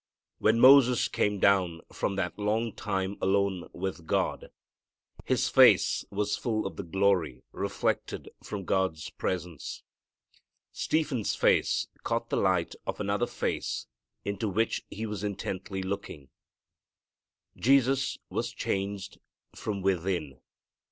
When Moses came down from that long time alone with God, his face was full of the glory reflected from God's presence. Stephen's face caught the light of another Face into which he was intently looking. Jesus was changed from within.